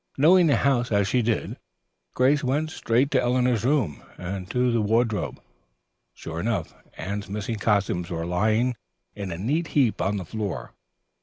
Knowing the house as she did, Grace went straight to Eleanor's room and to the wardrobe. Sure enough, Anne's missing costumes were lying in a neat heap on the floor.